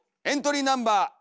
エントリーナンバー１。